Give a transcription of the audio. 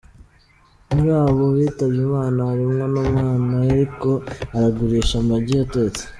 Muri abo bitavye Imana harimwo n’umwana yariko aragurisha amagi atetse.